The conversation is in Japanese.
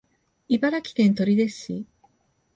茨城県取手市